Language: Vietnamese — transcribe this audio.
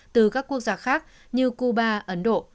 từ các quốc gia khác như cuba ấn độ